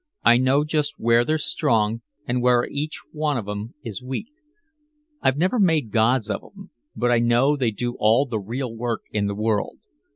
I know just where they're strong and where each one of 'em is weak. I've never made gods out of 'em. But I know they do all the real work in the world.